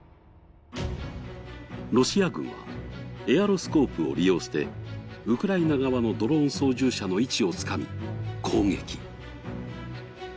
ロシア軍はエアロスコープを利用してウクライナ側のドローン操縦者の位置をつかみ、攻撃。